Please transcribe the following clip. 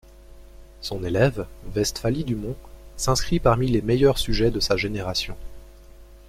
Son élève, Vestphalie du Mont, s'inscrit parmi les meilleurs sujets de sa génération.